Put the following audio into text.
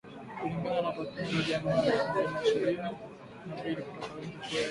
Kulingana na takwimu za Januari elfu mbili na ishirini na mbili kutoka Benki Kuu ya Uganda